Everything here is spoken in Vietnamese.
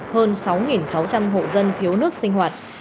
hơn sáu sáu trăm linh hộ dân thiếu nước sinh hoạt